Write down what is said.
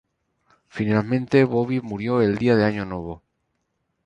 Finalmente, Bobbi murió el día de año nuevo.